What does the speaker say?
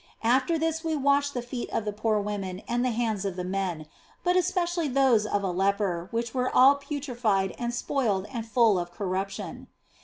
After this we washed the feet of the poor women and the hands of the men, but especially those of a leper which were all putrefied and spoiled and full of corruption.